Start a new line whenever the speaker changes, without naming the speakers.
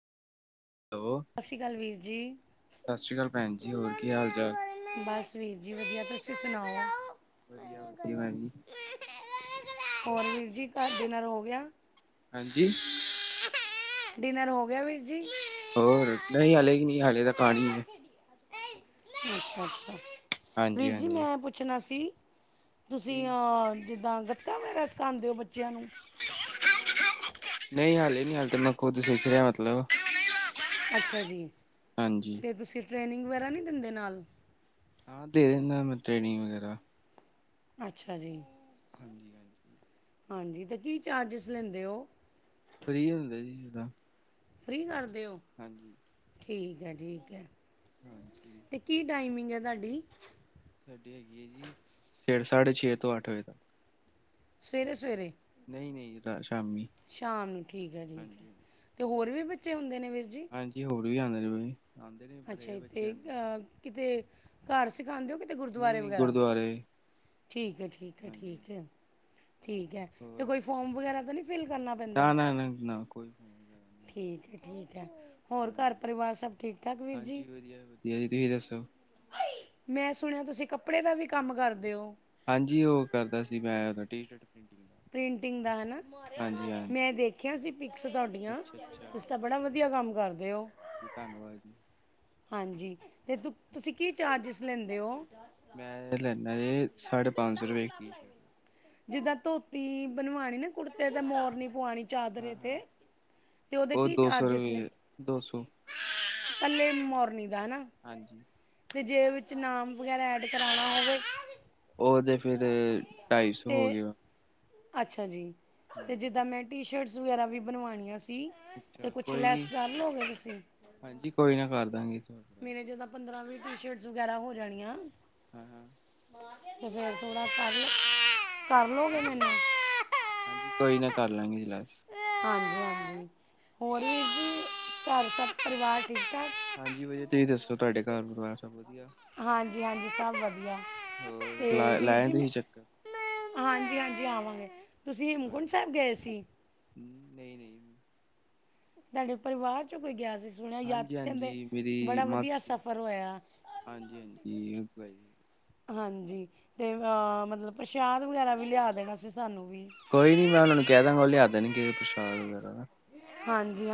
Hello
ਸਤਿ ਸ੍ਰੀ ਅਕਾਲ ਵੀਰ ਜੀ।
ਸਤਿ ਸ਼੍ਰੀ ਅਕਾਲ ਭੈਣ ਜੀ ਹੋਰ ਕੀ ਹਾਲ ਚਾਲ
ਬਸ ਵੀਰ ਜੀ ਵਧੀਆ ਤੁਸੀਂ ਸੁਣਾਓ।
ਵਧੀਆ
ਮੇਰੇ
ਵਧੀਆ
ਗਲ
ਭੈਨ ਜੀ।
ਹੋਰ ਵੀਰ ਜੀ ਘਰ ਡਿਨਰ ਹੋ ਗਿਆ।
ਹਾਂਜੀ।
ਡਿਨਰ ਹੋ ਗਿਆ ਵੀਰ ਜੀ?
ਹੋਰ ਨਈ ਹਲੇੇ ਹੀ ਨਈ ਹਲੇ ਤਾਂ ਖਾਣੀ ਆ।
ਅੱਛਾ ਅੱਛਾ,
ਹਾਂਜੀ
ਵੀਰ ਜੀ ਮੈਂ
ਹਾਂਜੀ
ਐ ਪੁੱਛਣਾ ਸੀ?
ਕੀ
ਤੁਸੀਂ ਅ ਜਿੱਦਾਂ ਗੱਤਕਾ ਵਗੈਰਾ ਸਿਖਾਉਂਦੇ ਹੋ ਬੱਚੇਆਂ ਨੂੰ?
ਨਈ ਹਲੇ ਨੀ ਹਲੇ ਤੇ ਮੈਂ ਖੁਦ ਸਿੱਖ ਰਿਹਾ ਮਤਲਬ।
ਅੱਛਾ ਜੀ
ਹਾਂਜੀ
ਤੇ ਤੁਸੀਂ ਟ੍ਰੇਨਿੰਗ ਵਗੈਰਾ ਨੀ ਦਿੰਦੇ ਨਾਲ?
ਹਾਂ ਦੇ ਦਿੰਨਾ ਮੈਂ ਟ੍ਰੇਨਿੰਗ ਵਗੈਰਾ
ਅੱਛਾ ਜੀ।
ਹਾਂਜੀ। ਹਾਂਜੀ
ਹਾਂਜੀ ਤੇ ਕੀ ਚਾਰਜਿਸ ਲੈਂਦੇ ਹੋ?
ਫਰੀ ਹੁੰਦਾ ਜੀ ਏ ਤਾਂ।
ਫ੍ਰਰੀ ਕਰਦੇ ਓ
ਹਾਂਜੀ
ਠੀਕ ਹੈ ਜੀ ਠੀਕ ਹੈ
ਹਾਂਜੀ
ਤੇ ਕੀ ਟਾਈਮਿੰਗ ਹੈ ਤੁਹਾਡੀ
ਸਾਡੀ ਹੈਗੀ ਹੈ ਜੀ ਛੇ ਸਾਢੇ ਛੇ ਤੋਂ ਅੱਠ ਵਜੇ ਤੱਕ
ਸਵੇਰੇ- ਸਵੇਰੇ
ਨਹੀਂ- ਨਹੀਂ ਰਾਤ ਸ਼ਾਮੀ
ਸ਼ਾਮ ਠੀਕ ਹੈ ਠੀਕ ਹੈ
ਹਾਂਜੀ
ਤੇ ਹੋਰ ਵੀ ਬੱਚੇ ਹੁੰਦੇ ਨੇ ਵੀਰ ਜੀ
ਹਾਂਜੀ ਹੋਰ ਵੀ ਆਉਂਦੇ ਰ
ਅੱਛਾ ਜੀ ਤੇ ਕਿਤੇ ਘਰ ਸਿਖਾਉਂਦੇ ਹੋ ਕਿਤੇ
ਨਹੀਂ
ਗੁਰਦੁਆਰੇ
ਨਹੀਂ
ਵਗੈਰਾ
ਗੁਰਦੁਆਰੇ
ਠੀਕ ਹੈ ਠੀਕ ਹੈ
ਹਾਂਜੀ
ਠੀਕ ਹੈ ਠੀਕ ਹੈ ਤੇ
ਹੋਰ
ਕੋਈ ਫੋਰਮ ਵਗੈਰਾ ਤਾਂ ਨਹੀਂ ਫਿਲ ਕਰਨਾ ਪੈਂਦਾ
ਨਾ ਨਾ ਨਾ ਨਾ ਕੋਈ ਫੋਨ ਵਗੈਰਾ ਨਹੀਂ
ਠੀਕ ਹੈ, ਠੀਕ ਹੈ ਹੋਰ ਘਰ
ਹਾਂਜੀ
ਪਰਿਵਾਰ ਸਭ ਠੀਕ ਠਾਕ ਵੀਰ
ਹਾਂਜੀ
ਜੀ
ਵਧੀਆ ਵਧੀਆ ਜੀ ਤੁਸੀਂ ਦੱਸੋ
ਮੈਂ ਸੁਣਿਆ ਤੁਸੀਂ ਕੱਪੜੇ ਦਾ ਵੀ ਕੰਮ ਕਰਦੇ ਓ
ਹਾਂਜੀ ਉਹ ਕਰਦਾ ਸੀ ਮੈਂ ਟੀ ਸਟ
ਪ੍ਰਿੰਟਿੰਗ ਦਾ ਹਨਾ
ਹਾਂਜੀ ਹਾਂਜੀ
ਮੈਂ ਦੇਖਿਆ ਸੀ ਪਿਕਸ ਤੁਹਾਡੀਆਂ
ਅੱਛਾ
ਤੁਸੀ
ਅੱਛਾ
ਤਾਂ ਬੜਾ ਵਧੀਆ ਕੰਮ ਕਰਦੇ ਓ
ਧੰਨਵਾਦ ਜੀ
ਹਾਂਜੀ ਤੇ ਤੁ ਤੁਸੀਂ ਕੀ ਚਾਰਜਿਸ ਲੈਂਦੇ ਹੋ
ਮੈਂ ਲੈਂਦਾ ਜੀ ਸਾਢੇ ਪੰਜ ਸੌ ਰੁਪਏ ਇਕ ਟੀ ਸ਼ਰਟ
ਜਿੱਦਾਂ ਧੋਤੀ ਬਣਵਾਣੀ ਨਾ ਕੁੜਤੇ ਤੇ ਮੋਰਨੀ ਪਵਾਉਣੀ ਚਾਦਰੇ
ਹਾਂ
'ਤੇ
ਹਾਂ
ਤੇ ਉਹਦੇ
ਉਹ
ਕੀ
ਦੋ ਸੌ
ਚਾਰਜਿਸ ਨੇ
ਰੁਪਏ ਦੋ ਸੌ
ਕਲੇ ਮੋਰਨੀ ਦਾ ਹੈਨਾ
ਹਾਂਜੀ
ਤੇ ਜੇ ਵਿੱਚ ਨਾਮ ਵਗੈਰਾ ਐਡ ਕਰਾਉਣਾ ਹੋਵੇ
ਉਹਦੇ ਫਿਰ ਢਾਈ ਸੌ
ਤੇ
ਹੋ ਗਏ ਵਾ
ਅੱਛਾ ਜੀ
ਹਾਂ
ਤੇ ਜਿੱਦਾਂ ਮੈਂ ਟੀ ਸ਼ਰਟਸ ਵਗੈਰਾ ਵੀ ਬਣਵਾਉਣੀਆਂ ਸੀ ਤੇ
ਅੱਛਾ
ਕੁਛ
ਕੋਈ
ਲੈਸ
ਨਹੀਂ
ਕਰ ਲਓ ਗਏ ਤੁਸੀਂ
ਹਾਂਜੀ ਕੋਈ ਨਾ ਕਰ ਦਾਂਗੇ ਨਾਲ।
ਮੇਰੇ ਜਿੱਦਾਂ ਪੰਦਰਾਂ ਵੀਹ ਟੀ ਸ਼ਰਟਸ ਵਗੈਰਾ ਹੋ ਜਾਣੀਆਂ
ਹਾਂ ਹਮ
ਤੇ ਫੇਰ ਥੋੜਾ ਕਰਲੋ
ਹਾਂਜੀ- ਹਾਂਜੀ, ਹਾਂਜੀ ਕੋਈ ਨਾ ਕਰ ਲਾਂਗੇ ਲੈਸ।
ਹਾਂਜੀ- ਹਾਂਜੀ। ਹੋਰ ਵੀਰ ਜੀ, ਘਰ ਸਭ ਪਰਿਵਾਰ ਠੀਕ ਠਾਕ।
ਹਾਂਜੀ ਵਧੀਆ। ਤੁਸੀਂ ਦੱਸੋ ਤੁਹਾਡੇ ਘਰ ਪਰਿਵਾਰ। ਸਭ ਵਧੀਆ
ਹਾਂਜੀ-ਹਾਂਜੀ। ਸਭ ਵਧੀਆ,
ਹੋਰ ਲਾ
ਤੇ ਵੀਰ
ਲਾਇਆ
ਜੀ ਮੈਂ
ਤੁਸੀਂ ਚੱਕਰ
ਹਾਂਜੀ- ਹਾਂਜੀ ਆਵਾਂਗੇ, ਤੁਸੀਂ ਹੇਮਕੁੰਟ ਸਾਹਿਬ ਗਏ ਸੀ।
ਨਹੀ-ਨਹੀ।
ਤਾਡੇ ਪਰਿਵਾਰ 'ਚੋਂ ਕੋਈ ਗਿਆ ਸੀ। ਸੁਣਿਆ ਯਾਦ
ਹਾਂਜੀ ਹਾਂਜੀ
ਕਹਿੰਦੇ,
ਮੇਰੀ
ਬੜਾ ਵਧੀਆ
ਮਾਸੀ
ਸਫ਼ਰ ਹੋਇਆ।
ਹਾਂਜੀ- ਹਾਂਜੀ। ਜਿਵ ਪੈ
ਹਾਂਜੀ। ਤੇ ਮਤ ਮਤਲਬ ਪ੍ਰਸ਼ਾਦ ਵਗੈਰਾ ਵੀ ਲਿਆ ਦੇਣਾ ਸੀ। ਸਾਨੂੰ ਵੀ
ਕੋਈ ਨੀ ਮੈਂ ਉਹਨਾ ਨੂੰ ਕਹਿ ਦਾਂਗਾ। ਉਹ ਲਿਆ ਦੇਣਗੇ ਨੇ ਪ੍ਰਸ਼ਾਦ ਵਗੈਰਾ।
ਹਾਂਜੀ ਹਾ।